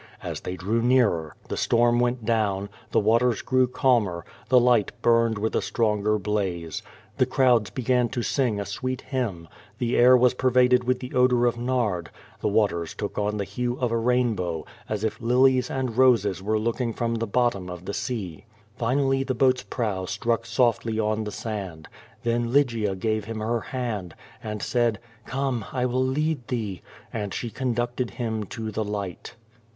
As they drew nearer, the storm went down, the waters grew cahner, the hght burned with a stronger blaze. The crowds began to sing a sweet hymn, the air was pervaded with the odor of nard, the waters took on the hue of a rainbow, as if lilies and roses were looking from the bottom of the sea. Finally, the boat's prow struck softly on the sand. Then Lygia gave him her hand, and said: '*Come, I will lead thee," and she conducted him to the light.